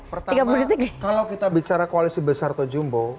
pertama kalau kita bicara koalisi besar atau jumbo